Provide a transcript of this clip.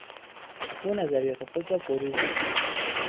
او نظریات خود را بروز داد.